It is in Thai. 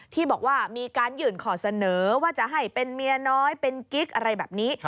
ที่บอกว่ามีการยื่นขอเสนอว่าจะให้เป็นเมียน้อยเป็นกิ๊กอะไรแบบนี้